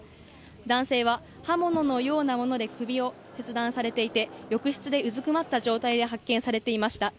男性は刃物のようなもので首を切断されていて浴室でうずくまった状態で発見されていました。